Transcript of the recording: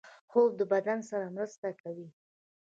خوب د بدن سره مرسته کوي